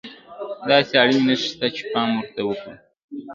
داسې اړينې نښې شته چې پام ورته وکړو.